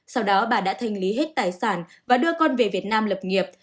sau đó bà đã thanh lý hết tài sản và đưa con về việt nam lập nghiệp